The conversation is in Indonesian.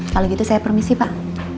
kalau gitu saya permisi pak